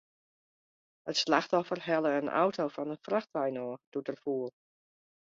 It slachtoffer helle in auto fan in frachtwein ôf, doe't er foel.